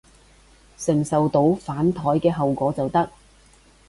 承受到反枱嘅後果就得